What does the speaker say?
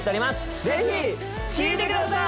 ぜひ聴いてください！